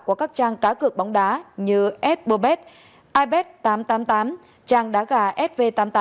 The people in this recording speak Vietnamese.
qua các trang cá cược bóng đá như s burbet ipad tám trăm tám mươi tám trang đá gà sv tám mươi tám